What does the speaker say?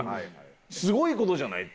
すごい事じゃない？って。